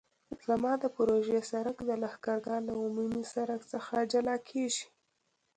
زما د پروژې سرک د لښکرګاه له عمومي سرک څخه جلا کیږي